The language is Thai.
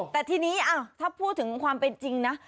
แต่ทีนี้ถ้าพูดถึงความเป็นจริงนะ